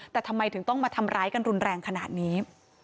แต่ทำไมถึงต้องมาทำร้ายกันรุนแรงขนาดนี้